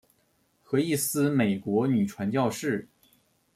何义思美国女传教士。